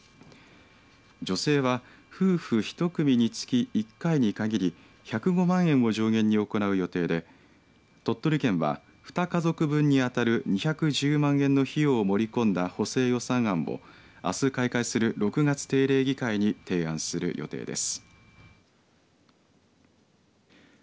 助成は夫婦１組につき１回に限り１０５万円を上限に行う予定で鳥取県は、２家族分に当たる２１０万円の費用を盛り込んだ補正予算案をあす開会する６月定例議会に提案する予定です。